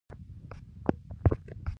کاري راپور ولې لیکل کیږي؟